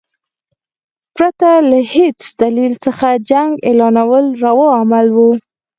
پرته له هیڅ دلیل څخه جنګ اعلانول روا عمل وو.